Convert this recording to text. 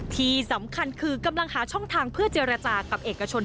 ที่สำคัญคือกำลังหาช่องทางเพื่อเจรจากับเอกชน